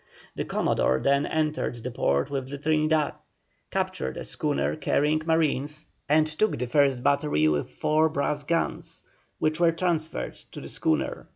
The Commodore then entered the port with the Trinidad, captured a schooner carrying marines, and took the first battery with four brass guns, which were transferred to the schooner.